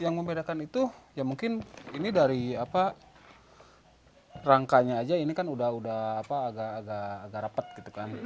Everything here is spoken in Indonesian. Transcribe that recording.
yang membedakan itu ya mungkin ini dari rangkanya aja ini kan udah agak repet gitu kan